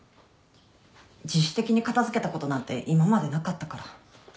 自主的に片付けたことなんて今までなかったから。